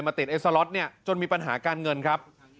ติดไอ้สล็อตเนี่ยจนมีปัญหาการเงินครับ